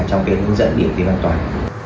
trong cái hướng dẫn điểm tiêm an toàn